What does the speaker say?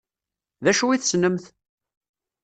D acu i tessnemt?